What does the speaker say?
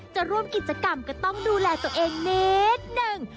จะร่วมกิจกรรมก็ต้องดูแลตัวเองนิดนึง